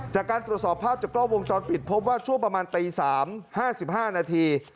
จากการตรวจสอบภาพจากกล้อวงจอดปิดพบว่าชั่วประมาณตีสามห้าสิบห้านาที